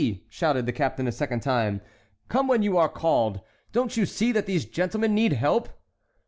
shouted the captain a second time, "come when you are called. Don't you see that these gentlemen need help?"